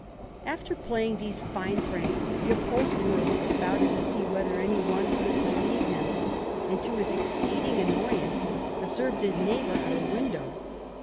After playing these fine pranks, the upholsterer looked about him to see whether any one could perceive him, and to his exceeding annoyance observed his neighbour at her window.